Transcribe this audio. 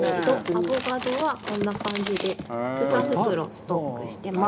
アボカドはこんな感じで２袋ストックしてます。